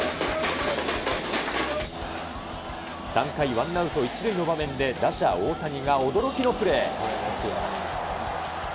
３回、ワンアウト１塁の場面で打者、大谷が驚きのプレー。